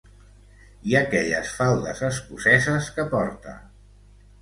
I aquelles faldes escoceses que porta...